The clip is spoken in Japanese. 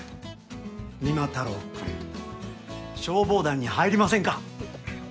三馬太郎くん消防団に入りませんか？